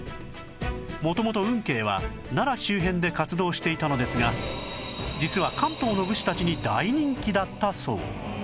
元々運慶は奈良周辺で活動していたのですが実は関東の武士たちに大人気だったそう